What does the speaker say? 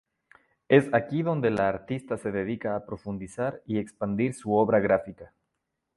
Es aquí donde la artista se dedica a profundizar y expandir su obra gráfica.